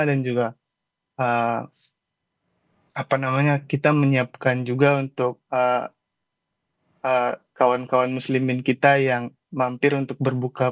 dan juga kita menyiapkan juga untuk kawan kawan muslimin kita yang mampir untuk berbuka